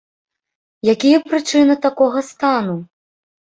Якія прычыны такога стану?